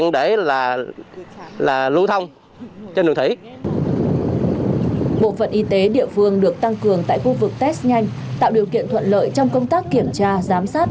bộ phận y tế địa phương được tăng cường tại khu vực test nhanh tạo điều kiện thuận lợi trong công tác kiểm tra giám sát